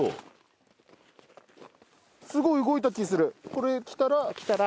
これ来たら。